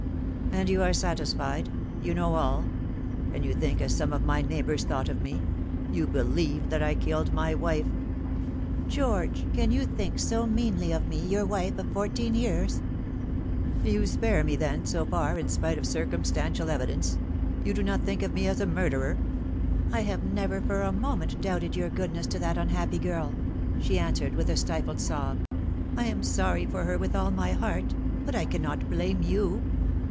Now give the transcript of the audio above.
" And you are satisfied you know all ; and you think as some of my neighbours thought of me. You believe that I killed my wife." "George, can you think so meanly of me your wife of fourteen years ?"" You spare me, then, so far, in spite of circumstantial evidence. You do not think of me as a murderer ?"" I have never for a moment doubted your goodness to that unhappy girl," she answered, with a stifled sob. " I am sorry for her with all my heart ; but I cannot blame you."